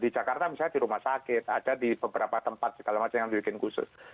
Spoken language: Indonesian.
di jakarta misalnya di rumah sakit ada di beberapa tempat segala macam yang dibikin khusus